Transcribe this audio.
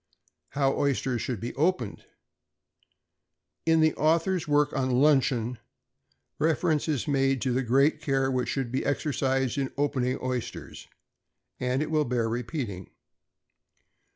=How Oysters should be opened.= In the author's work on "Luncheon," reference is made to the great care which should be exercised in opening oysters; and it will bear repeating.